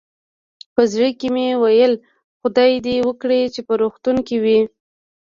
په زړه کې مې ویل، خدای دې وکړي چې په روغتون کې وي.